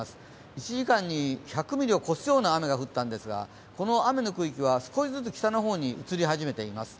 １時間に１００ミリを超すような雨が降ったんですが、その雨の区域は少しずつ北の方に移り始めています。